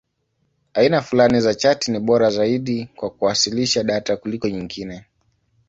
Aina fulani za chati ni bora zaidi kwa kuwasilisha data kuliko nyingine.